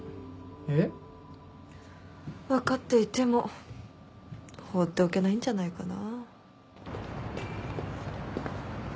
えっ？分かっていても放っておけないんじゃないかな。